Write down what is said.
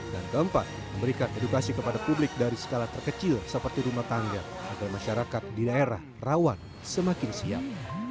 dan keempat memberikan edukasi kepada publik dari skala terkecil seperti rumah tangga agar masyarakat di daerah rawan semakin siap